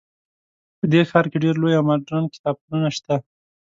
په دې ښار کې ډیر لوی او مدرن کتابتونونه شته